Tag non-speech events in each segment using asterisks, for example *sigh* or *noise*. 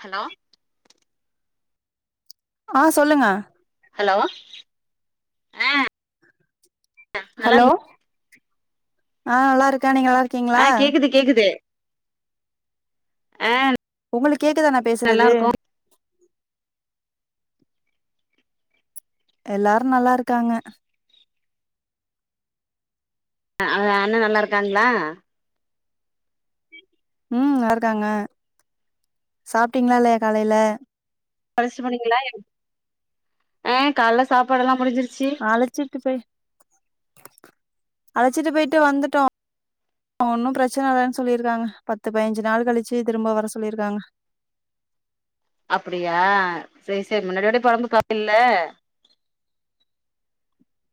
hello அ சொல்லுங்க hello அ ஹலோ நா நல்லா இருக்கே நீங்க நல்லா இருக்கீங்களா அ உங்களுக்கு கேக்குதா‌ நா பேசுறது எல்லாரு நல்லா இருக்காங்க அ அண்ண நல்லா இருக்காங்களா ம் நல்ல இருக்காங்க சாப்ட்டீங்களா இல்லியா காலையில *unintelligible* அ காலைல சாப்பாடு எல்லா முடிஞ்சிரு அழச்சிட்டு போய் அழச்சிட்டு போயிட்டு வந்துட்டோ ஒன்னு பிரச்சன இல்லன்னு சொல்லியிருக்காங்க பத்து பதினஞ்சு நாள் கழிச்சு திரும்ப வர சொல்லியிருக்காங்க அப்பிடியா செரி செரி முன்னத விட இப்ப ஒடம்பு பரவாயிலல்ல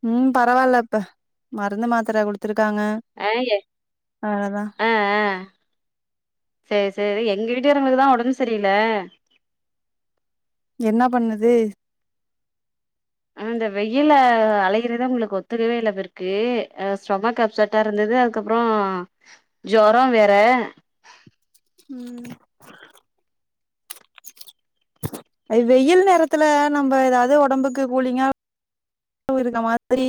ம் பரவாயில்ல இப்ப மருந்து மாத்திரா குடுத்துருக் அ அ அ சேர் சேரி எங்க வீட்டுகாரங்கதுக்குதா ஒடம்பு செரியில்ல என்னா பண்ணுது அ இந்த வெயில அலையிறது அங்களுக்கு ஒத்துக்கவே இல்ல அவருக்கு ஸ்டொமக் அப்சொட் இருந து அதுக்கப்றௌ ஜோரோ வேற ம் அது வெயில் நேரத்துல நம்ம எதாவது ஒடம்புக்கு கூலிங்கா *unintelligible* மாதிரி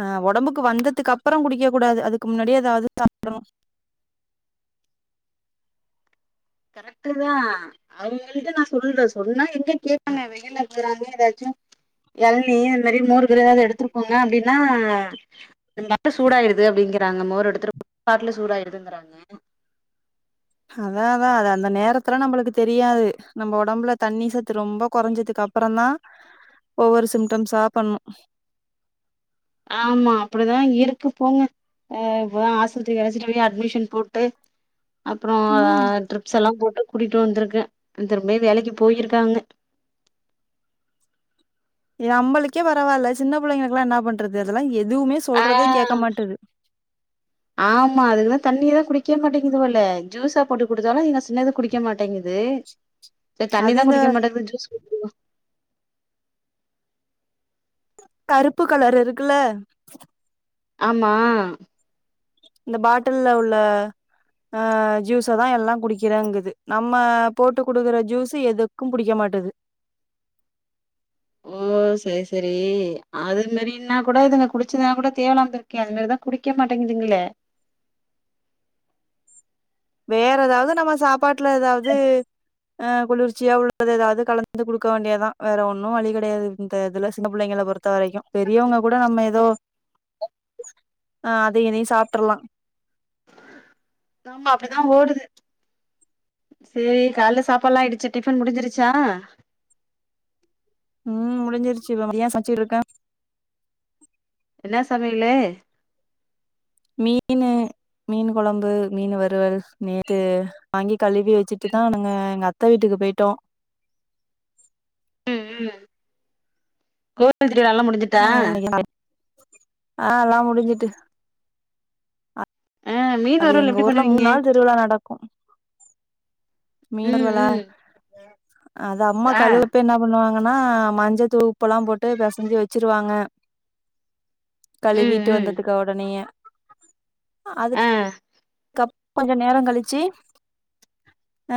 அ ஒடம்புக்கு வந்ததுக்கு அப்றோ குடிக்க கூடாது அதுக்கு முன்னாடியே எதாவது சாப்பிடனு கரெக்டு தா அவங்கள்டிட்ட நா சொல்றே சொன்னா எங்க கேட்பண்ணே வெயில இருறான எதாச்சு எளனி இந்த மாரி மோரு கீரு எதாவது எடுத்துட்டு போங்க அப்டின்னா *unintelligible* சூடாயிடுது அப்டி ங்கிறாங்க மோர் எடுத்துட்டு பாட்டில் சூடாயிருதுங்கிறாங்க அதாதா அது அந்த நேரத்துல நம்மளுக்கு தெரியாது நம்ம ஒடம்புல தண்ணி சத்து ரொம்ப கொறஞ்சதுக்கு அப்றோ அப்றோ தா ஒவ்வொரு சிம்டம்ஸா பண்ணு ஆமா அப்பிடிதா இருக்கு போங்க அ இப்பதா ஆஸ்பத்திரி அழச்சிட்டு போய் அட்மிஷன் போட்டு அப்றோ ம் ட்ரிப்ஸ் எல்லா போ கூட்டிட்டு வந்திருக்கே திரும்ப வேலைக்கு போயிருக்காங்க இது நம்பளுக்கே பரவாயில்ல சின்ன பிள்ளைங்களுக்கெல்லா என்ன பண்றது அதெல்லா எது எதுவுமே ஆ சொல்றதே கேட்க மாட்டினுது தண்ணியதா குடிக்கவே மாட்டேங்குதுல்ல ஜூஸா போட்டு குடுத்தாலு எங்க சின்னது குடிக்க மாட்டேங்குது செரி தண்ணி அது தா இந்த குடிக்க மாட்டேங்குது ஜூஸ் கு கருப்பு கலரு இருக்குல்ல ஆமா இந்த பாட்டில உள்ள அ ஜூஸ தா எல்லா குடிக்கிறேங்குது நம்ம போட்டு குடுக்குற ஜூஸ்சு எதுக்கு புடிக்க மாட்டேங்குது ம் ம் சேர் சேரி அது மேரினா கூட இதுக குடிச்சுதுனா கூட தேவலா போல இருக்கே அது மாதிரிதா குடிக்க மாட்டேங்க இதுங்களே வேற எதாவ்து நம்ம சாப்பாட்ல ஏதாவ்து அ குளிர்ச்சியா உள்ளது ஏதாவ்து கலந்து குடுக்க வேண்டியதா வேற ஒன்னு வலி கெடையாது இந்த இதுல சின்ன புள்ளைங்கள பொறுத்த த்த வரைக்கூ பெரியவுங்க கூட நம்ம எதோ ஆ அதயு இதயு சாப்ட்ரலா ஆமா அப்டிதா ஓடுது செரி கால்ல சாப்பாட்ல்லா ஆயிடுச்சி டிஃபன் முடிஞ்சிருச்சா ம் முடிஞ்சிருச்சி இப்ப மதிய சமைச்சிட்ருக்க என்னா சமையலு மீனு மீனு கொழம்பு மீனு வறுவல் நேத்து வாங்கி கழுவி வச்சிட்டு தா நாங்க எங்க அத்த வீட்டுக்கு பேயிட்டோ ம் ம் கோவில் திருவிழா எல்லா முடிஞ்சுட்டா ஆ எல்லா முடிஞ்சுட்டு ஆ மீன் அது வறுவல் எங்க எப்டி ஊர்ல பண்ணுவீங்க மூணா நாள் திருவிழா நடக்கும் ம் மீனறுவலா ம் அத அம்மா ஆ கழுவுப்பவே என்னா பண்ணுவாங்க ன்னா மஞ்சதூளு உப்பல்லாம் போட்டு பெசஞ்சி வச்சிருவாங்க ம் கழுவீட்டு ம் வந்ததுக்கா ஒடனயே அதுக்கு ஆ கப் கொஞ்சோ நேரோ கழிச்சி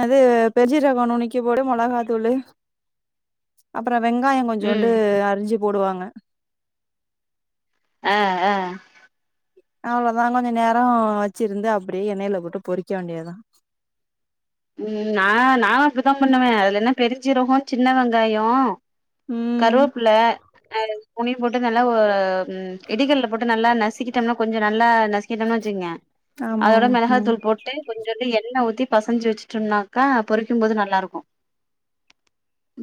அது பெருன்ஜீரகோ நுனுக்கி போட்டு மொளகாத்தூளு அப்பறம் அப்பற வெங்காயோ கொஞ்சோண்டு ம் அரிஞ்சி போடுவாங்க அ அ அவ்ளோதா கொஞ்ச நேரொ வச்சிருந்து அப்டியே எண்ணையில போட்டு பொறிக்க வேண்டியதா ம் நா நானு அப்டித்தான் பண்ணுவேன் அதுல என்ன பெருஞ்சீரகோ சின்ன வெங்காயோ ம் கருவப்புள்ள அ மூணயு போட்டு நல்லா ஒரு ம் இடிகல்ல போட்டு நல்லா நசிக்கிட்டம்னா கொஞ்சோ நல்லா நசி கிட்டம்ன்னு வச்சுங்க ஆமா அதோட ஆமா மெளகா ம் தூள் போட்டு கொஞ்சோண்டு எண்ண ஊத்தி பசஞ்சு வச்சுட் டோனாக்கா பொறிக்கும்போது நல்லா இருக்கூ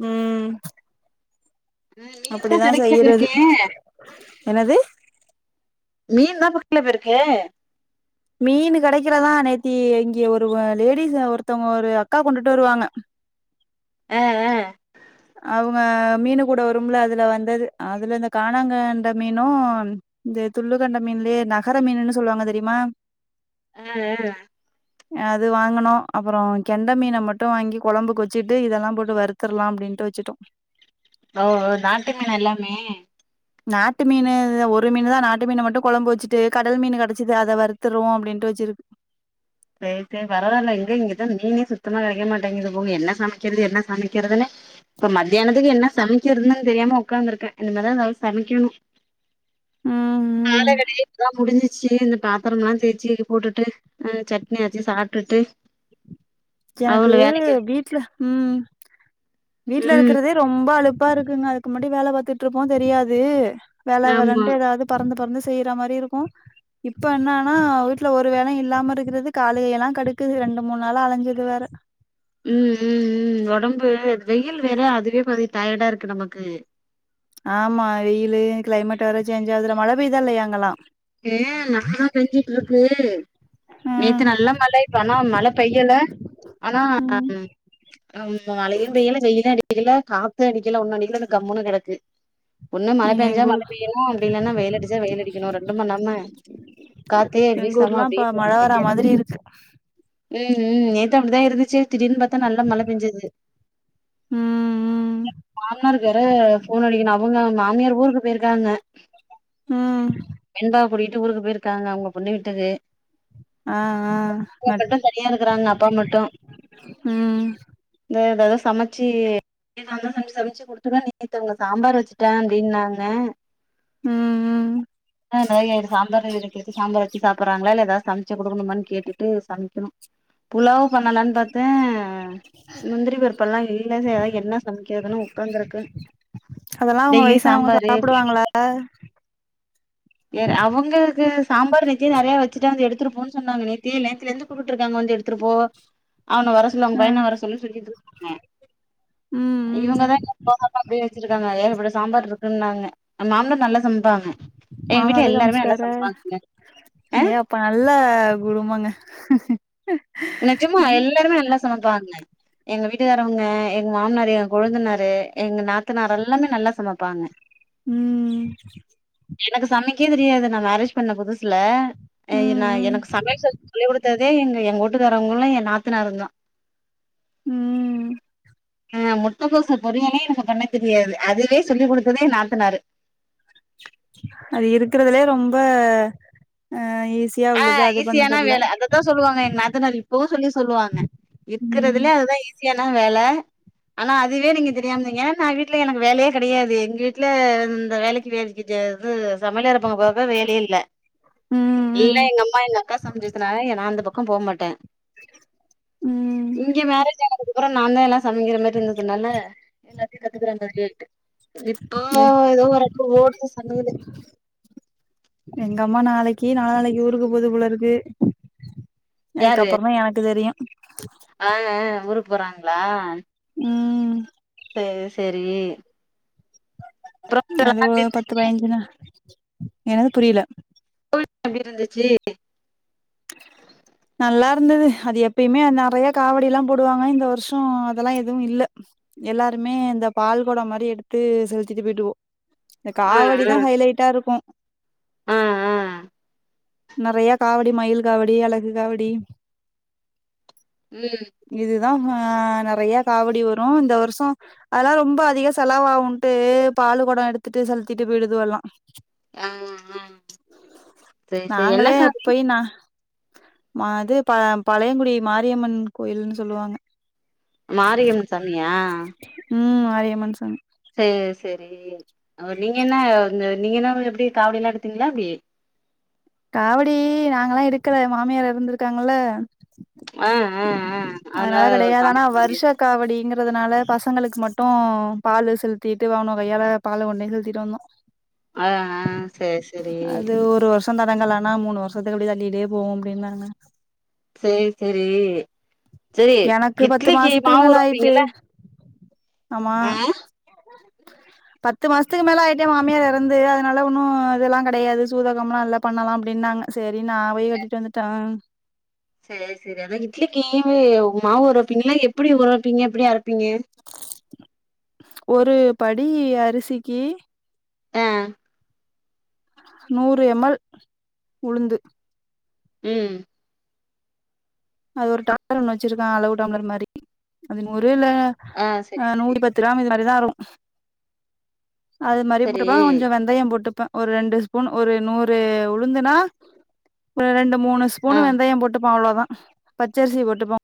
ம் ம் மீனு தா அப்டிதா கெடக்கில செய்யறது பேருக்கே என்னது மீன் தா இப்ப கெடக்கில பேருக்கே மீனு கெடக்கிலதா நேத்தி இங்க ஒரு லேடிஸ் ஒருத்தவுங்க ஒரு அக்கா கொண்டுட்டு வருவாங்க அ அ அவுங்க மீனு கூட வரும்ல அதுல வந்தது அதுல இந்த காணாங்கெண்ட மீனூ இந்த துள்ளுகெண்ட மீன்லயே நகர மீனுன்னு சொல்வாங்க தெரியுமா அ அ அது வாங்குனோ அப்பறோ கெண்ட மீன மட்டு வாங்கி கொழம்புக்கு வச்சிகிட்டு இதெல்லாம் போட்டு வருத்தரலாம் அப்டின் டு வச்சிட்டோ ஓ ஓ நாட்டு மீனா எல்லாமே நாட்டு மீனு ஒரு மீன் தான் நாட்டு மீன மட்டு கொழம்பு வச்சிட்டு கடல் மீனு கெடச்சிது அத வறுத்துருவோ அப்டின்ட்டு ரோஜ் இருக்கு சேரி சேரி பரவால்ல இங்க இங்கதா மீனே சுத்தமா கெடைக்க மாட்டேங்குது போங்க என்ன சமக்கறது என்ன சமக்கறதுன்னே இப்ப மத்தியானத்துக்கு என்ன சமக்கிறதுன்னு தெரியாம உக்காந்துருக்க இனிமேதா ஏதாவ்து சமைக்கணு ம் கால ம் வேலயே இப்பதா முடிஞ்சிச்சி இந்த பாத்திரம்ல்லா தேச்சி போட்டுட்டு அ சட்னியரச்சி சாப்டுட்டு எனக்கு வீட்ல ம் வீட்ல ம் இருக்கறதே ரொம்ப அலுப் பா இருக்குங்க அதுக்கு முன்னாடி வேல பாத்துட்ருப்போ தெரியாது வேல ஆமா வேலன்ட்டு எதாவ்து பறந்து பறந்து செய்ற மாரி இருக்கூ இப்ப என்னான்னா வீட்ல ஒரு வேலயு இல்லாம இருக்குறது காலு கையெல்லா கடுக்குது ரெண்டு மூண் நாளா அலைஞ்சது வேற ம் ம் ம் ஒடம்பு வெயில் வேற அதுவே பாதி டயர்டா இருக்கு நமக்கு ஆமா வெயிலு கிளைமேட் வேற சேஞ்ச் ஆகுதுல மழை பெய்தா இல்லையா அங்கல்லா ஏ நல்லா பெஞ்சுட்டு இருக்கு நேத்து ம் நல்ல மழ இப்ப ஆனா மழ பெய்யல ஆனா ம் ஆமா மழையு பெய்யல வெயிலு அடிக்கேல காத்து அடிக்கல ஒண்ணு அடிக்கல இந்தா கம்முனு கெடக்கு ஒண்ணு மழ நீங்க பெஞ்சா எங்க மழ ஊர் பெய்யனு அப்படில்லனா வெயில் அடிச்சா வெயில் அடிக்கணு நம்ம நம்ம காத்தே எங்க வீசாம ஊர்லா இப்ப அப்டியே மழ வரா மாதிரி இருக்கு *inaudible* ம் ம் நேத்து அப்டிதா இருந்துச்சு திடீர்னு பாத்தா நல்லா மழ பெஞ்சது ம் ம் எங்க மாமனார்க்கரு போன் அடிக்கணும் அவங்க மாமியார் ஊருக்கு போயிருக்காங்க ம் பெண்பாவ கூட்டிட்டு ஊருக்கு போயிருக்காங்க அவங்க பொண்ணு வீட்டுக்கு ஆ ஆ மட் மட்டு தனியா இருக்கறாங்க அப்பா மட்டும் ம் எதாவது சமச்சி ஏ நாந்தான் சமைச்சு சமைச்சு குடுத்துடுவே நேத்தவங்க சாம்பார் வச்சுட்டே அப்படின்னாங்க ம் ம் ஆ எ சாம்பார் இருக்கு சாம்பார் வச்சு சாப்படுறாங்களா இல்ல எதாவ சம்ச்சே குடுக்கணுமனு கேட்டுட்டு சமைக்கணு புலாவ் பண்ணலாம்னு பாத்தே முந்திரி பருப்பெல்லா இல்ல சரி அதா என்ன சமைக்கிறதுன்னு உட்க இருக்கு அதெல்லா உங்க வயசானவங்க சாப்புடுவாங்களா வேற அவங்களுக்கு சாம்பார் வச்சு நெறைய வச்சுட்டா வந்து எடுத்துருப்போன் சொன்னாங்க நே தே நேத்துல எந்து கூப்பிட்டு இருக்காங்க வந்து எடுத்துட்டுப்போ அவன வர சொல்லு அவங்க ம் பையன வர சொல்லு சொல்லிட்டு இருக்காங்க ம் ம் இவங்கதா இன்னும் போகம அப்டிய வச்சிருக்காங்க ஏழுபட சாம்பார் இருக்குன்னாங்க மாம்னார் நல்லா சமப்பாங்க மாமனாரே சமச்சுட்டாரா ஆ ஏ அப்பா நல்ல குடும்பங்க நெஜமா ம் எல்லாருமே நல்லா சமைப்பாங்க எங்க வீட்டுக்காரவங்க எங்க மாமனாரு எங் கொழுந்தனாரு எங்க நாத்தனார் எல்லாமே நல்லா சமைப்பாங்க ம் எனக்கு சமைக்கே தெரியாது நா மேரேஜ் பண்ண புதுசுல ம் ந ம் எனக்கு சமையல் சொல்லி குடுத்தது தே எங்க எங்க வீட்டுக்காரவங்களு என் நாத்தனாருந்தான் ம் ஆ முட்டக்கோச பொரியலே எனக்கு பண்ண தெரியாது அதுவே சொல்லிக் குடுத்தது என் நாத்தனாரு அது இருக்கிறதுலயே ரொம்ப ஆ ஆ ஈஸியானா வேல அதத்தா சொல்லுவாங்க எ நாத்தனார் இப்பவு சொல்லி சொல்லுவாங்க ம் இருக்றதுலயே அதுதா ஈஸியானான வேல ஆனா அதுவே நீங்க தெரியாமந்தீங்க ஏன்னா வீட்ல எனக்கு வேலையே கெடையாது எங்க வீட்டுல இந்த வேலைக்கு வேலை இது சமையலர பக்க போக்க வேலயே இல்ல ம் எல்லா ம் எங்க அம்மா எங்க அக்கா சமைஞ்சதுனால நா அந்த பக்கம் போமாட்டே ம் இங்க மேரேஜ் ஆனதுக் கப்புற நா தா எல்லா சமைக்கிற மாரி இருந்ததுனால எல்லாத்தையு கத்துக்குற மாதிரி இப்போ எ ஏதோ ஓரளவுக்கு ஓடுது சமையலு எங்கம்மா நாளைக்கு நாலான்னைக்கு ஊருக்கு போதுபோல இருக்கு அதுக்குப்புற தா எனக்கு தெரியு அ ஆ ஊருக்கு போறாங்களா ம் சேரி சேரி அப்புறம் அது எல்லாம் பேச்சு பத்து பயஞ்சுதா என்னது புரியல நம்பிகிட்டு இருந்துச்சு நல்லா இருந்தது அது எப்பயுமே நெறைய காவடி எல்லா போடுவாங்க இந்த வருஷ அதெல்லா எதுவு இல்ல எல்லாருமே இந்த பால் கொடம் மாரி எடுத்து செலித்திட்டு போயிட்ருக்கோ இந்த காவடி தா ஹைலைட்டா இருக்கு ஆஹ் ஆஹ் நெறையா காவடி மயில் காவடி அழகு காவடி ம் தா ஹ நெறையா காவடி வரும் இந்த வருஷோ அதல்லா ரொம்ப அதிக செலாவாவுன்ட்டு பா பாலு கொடோ எடுத்துட்டு செலுத்திட்டு போயிடுது வல்லா ஆ ஆ செரி செரி என்ன நாங்களே சாமி போயி நா மா அது ப பழையங்குடி மாரியம்மன் கோயில்ன்னு சொல்லுவாங்க மாரியம்மன் சமியா ம் மாரியம்மன் சாமி சேர் செரி ஒ நீங்க என்ன வந்து நீங்க என்ன எப்டி காவடி எல்லா எடுத்தீங்களா எப்டி காவடி நாங்கல்லா எடுக்கல மாமியார் இறந்திருக்காங்கல்ல ஆ ஆ ஆ அதனால கேடையாது சாமி ஆனா கும்பிட முடியாது வருஷ காவடிங்கற றதுனால பசங்களுக்கு மட்டு பாலு செலுத்திட்டு வானு கையால பால கொண்டுபோயி செலுத்திட்டு வந்தோ ஆஹ்ஹ் சேர் செரி ஷ தொடங்கலானா மூணு வருஷத்துக்கப்படி தள்ளிடே போவும் அப்டின்னாங்க சேரி செரி சேர் எனக்கு பத்து இட்லிக்கு மாசத்துக்கு மாவு ஊர மேல ஆயிட்டு வப்பீங்கல்ல ஆமா ஆ பத்து மாசத்துக்கு மேல ஆயிட்டு என் மாமியார் இறந்து அதனால ஒன்னும் இதெல்லா கெடையாது சூதகம்லா இல்ல பண்ணலா அப்டின்னாங்க செரி நா போயி கட்டிட்டு வந்துட்டே சேர் செரி அதா இட்லிக்கி உ மாவு ஊர வப்பீங்கல்லா எப்டி ஊர வப்பீங்க எப்டி அரப் ஒரு படி அரிசிக்கி ஹ்ஹே நூறு எம் எல் உளுந்து உம் அது ஒரு டம்ளர் ஒண்ணு வச்சிருக்க அளவு டம்ளர் மாதிரி அது நூறு ல்ல ஆ செரி செரி நூறு பத்து ரூப இது மாதிரிதா ருக்கு அது மாரி செரி போட்டுப்ப கொஞ்சம் வெந்தயம் போட்டுப்ப ஒரு ரெண்டு ஸ்பூன் ஒரு நூறு உளுந்துனா ஒரு ரெண்டு மூணு ஸ்பூனு ஆ வெந்தயம் போட்டுப்ப அவ்ளோதா பச்சரிசி போட்டுப்ப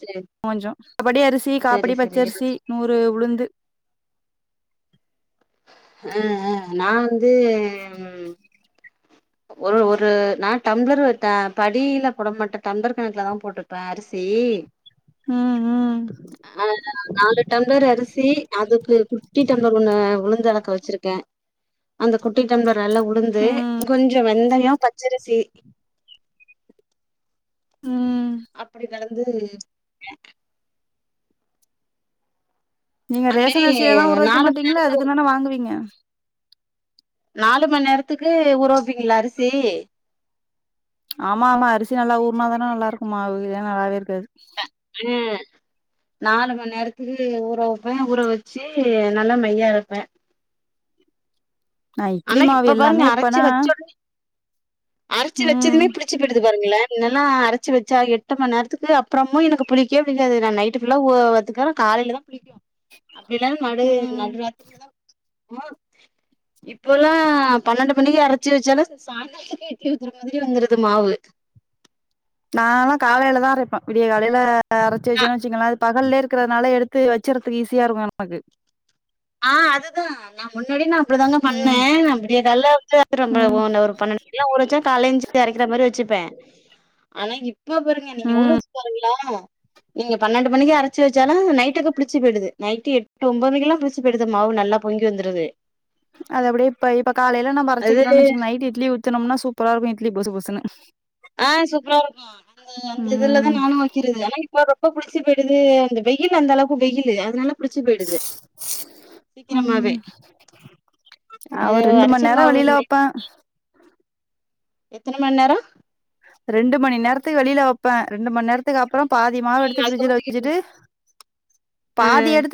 செரி கொஞ்சோ படி அரிசி செரி காப்படி செரி பச்சரிசி நூறு உளுந் து ஹ்ஹு நா வந்து ஒரு ஒரு நா டம்ளர்ட்ட படியில போட மாட்ட டம்ளர் கணக்குல தா போட்டுப்பே அரிசி இ ம் ம் அஹ் நாலு டம்ளர் அரிசி அதுக்கு குட்டி டம்ளர் ஒண்ணு உளுந்தள க வச்சிருக்கே அந்த குட்டிடம்ளரால உளுந்து ம் கொஞ்சோ வெந்தயோ பச்சரிசி ம் அப்படி களந்து *inaudible* நீங்க ரேஷன் அரிசியெல்லா ஊரவெக்க நாலு மணி மாட்டீங்ளா அதுக்கு தானே வாங்குவீங்க நாலு மணா நேரத்துக்கு ஊர வப்பீங்ளா அரிசி ஆமா ஆமா அரிசி நல்லா ஊர்னா தானே நல்லா இருக்குமாவு ல்லனா நல்லாவே இருக்காது ஹ்ஹே நாலு மண் நேரத்துக்கு ஊற வப்பே ஊற வெச்சு நல்லா மையா அரப்பே நா இட்லி ஆனா மாவு எல்லாமே எப்பனா அரச்சி ம் வெச்சதுமே புளிச்சு போயிடுது வருங்களல்லே முன்னெல்லா அரச்சு வெச்சா எட்டு மண் நேரத்துக்கு அப்பறமும் எனக்கு புளிக்கே புடிக்காது நா நைட்டு புல்லா உ வச் க்கான காலைல தா புளிக்கு அப்டிஇல்லன்னா நடு ம் நடுராத்திரிலதா ம் இப்பெல்லா பன்னெண்டு மணிக்கு அரைச்சி வச்சாலு சாய்ங்காலதுக்கே இட்லி ஊத்துற மாதிரி வந்துருது மாவு நா ல்லா காலேல தா அரைப்பே விடிய காலேல அரைச்சி அ வச்சேன்னு வச்சுங்களே பகல்லயே இருக்குறதுனால எடுத்து வச்சிறதுக்கு ஈஸியா இருக்கு நமக்கு ஆ அதுதா நா முன்னாடி நா அப்டிதாங்க ம் பண்ணே நா அப்படிய நல்லா அரச்சி எடுத்துட்டு ம் வந்துருவே ஒரு பன்னண் நல்லா ஊற வச்சா காலேல எஞ்சி போய் அரைக்கிற மாரி வச்சிப்பே ஆனா இப்ப பாருங்க நீங்க ஊற ம் வச்சி பாருங்களே நீங்க பன்னெண்டு மணிக்கி அரச்சி வச்சாலு நைட்டுக்கு புளிச்சி போயிடுது நைட்டு எட்டு ஒன்பது மணிக்கெல்லா புளிச்சி பொய்டுது மாவு நல்லா பொங்கி வந்துருது அது அப்டியே இப்ப இப்ப காலேல நம்ப அரச்சி அது வக்கிறோன்னு வச்சுங்க நைட் இட்லி ஊத் ஊத்துனம்னா சூப்பரா இருக்கு இட்லி பொசுபொசுன்னு ஆ சூப்பரா இருக்கு அந்த அந்த இதுலதா ம் நானு வைக்கிறது ஆனா இப்போ ரொம்ப புளிச்சி போயி்டது அந்த வெயில் அந்த அளவுக்கு வெயில் அதனால புளிச்சி போயிடுது சீக்கிரமாவே ம் ஆ என்னய ஒரு ரெண்டு மண் நேரோ வரச்சொன்னாக வெளியில இன்னக்கி வப்பே எத்தன மணி நேரோ ரெண்டு மணி நேரத்துக்கு வெளில வப்பே ரெண்டு மணி நேரத்துக்கு அப்பறோ பாதி மாவு எடுத்து அதுக்கப்புறோ பிரிட்ஜ்ல தூக்கி வச்சிட்டு ஆ பாதி எடுத்து